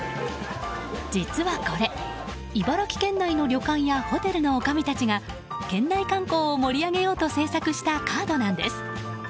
実はこれ、茨城県内の旅館やホテルの女将たちが県内観光を盛り上げようと制作したカードなんです。